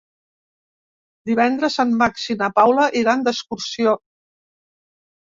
Divendres en Max i na Paula iran d'excursió.